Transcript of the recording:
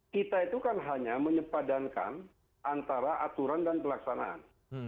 kita itu kan hanya menyepadankan antara aturan dan pelaksanaan